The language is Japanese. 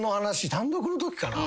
単独のときかな？